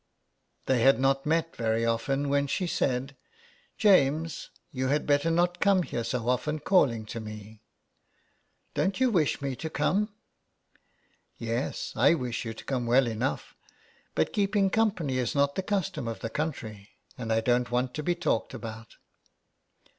They had not met very often when she said, " James, you had better not come here so often calling to me.'^ " Don't you wish me to come? "" Yes, I wish you to come well enough, but keep ing company is not the custom of the country, and I don't want to be talked about."